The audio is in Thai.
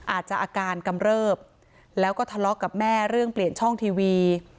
อาการกำเริบแล้วก็ทะเลาะกับแม่เรื่องเปลี่ยนช่องทีวี